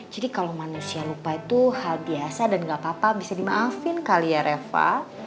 jadi kalau manusia lupa itu hal biasa dan gak apa apa bisa dimaafin kali ya reva